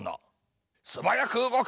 すばやくうごく！